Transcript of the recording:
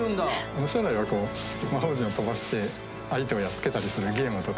面白いのが魔法陣を飛ばして相手をやっつけたりするゲームとか。